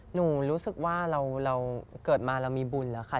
หนูรู้สึกว่าเราเกิดมาเรามีบุญแล้วค่ะ